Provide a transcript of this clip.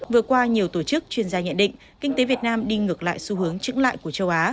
vừa qua nhiều tổ chức chuyên gia nhận định kinh tế việt nam đi ngược lại xu hướng trứng lại của châu á